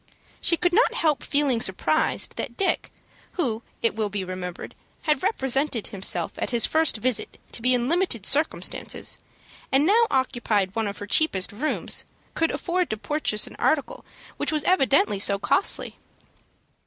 She could not help feeling surprised that Dick, who, it will be remembered, had represented himself at his first visit to be in limited circumstances, and now occupied one of her cheapest rooms, could afford to purchase an article which was evidently so costly.